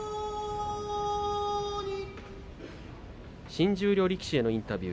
新十両力士のインタビュー